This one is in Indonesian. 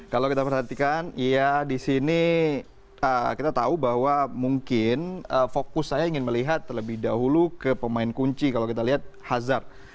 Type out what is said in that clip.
kalau kita perhatikan ya di sini kita tahu bahwa mungkin fokus saya ingin melihat terlebih dahulu ke pemain kunci kalau kita lihat hazard